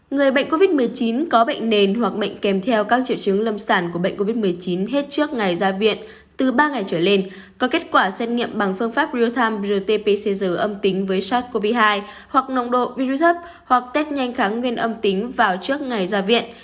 người bệnh covid một mươi chín có bệnh nền hoặc bệnh kèm theo các triệu chứng lâm sản của bệnh covid một mươi chín hết trước ngày ra viện từ ba ngày trở lên có kết quả xét nghiệm bằng phương pháp real time rt pcr âm tính với sars cov hai hoặc nồng độ virus thấp hoặc test nhanh kháng nguyên âm tính vào trước ngày ra viện